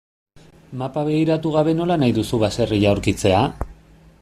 Mapa begiratu gabe nola nahi duzu baserria aurkitzea?